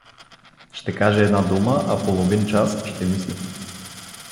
Ще каже една дума, а половин час ще мисли.